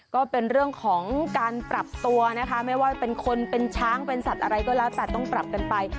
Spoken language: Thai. ก็เป็นเรื่องของการปรับตัวนะคะไม่ว่าเป็นคนเป็นช้างเป็นสัตว์อะไรก็แล้วแต่ต้องปรับกันไป